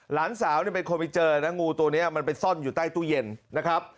หลานสาวเป็นคนไปเจอนะงูตัวนี้มันไปซ่อนอยู่ใต้ตู้เย็นนะครับ